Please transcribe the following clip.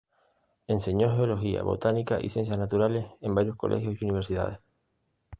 Enseñó geología, botánica y ciencias naturales en varios colegios y universidades.